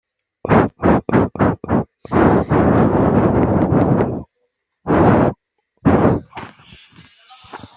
Eugène Chartier a étudié le violon avec Alfred De Sève et Oscar Martel.